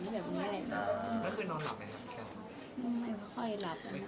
แล้วคือนอนหลับไหมครับไม่ค่อยหลับ